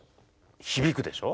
響くでしょ。